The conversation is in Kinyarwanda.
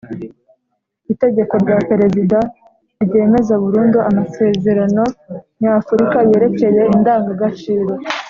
itegeko rya perezida ryemeza burundu amasezerano nyafurika yerekeye indangagaciro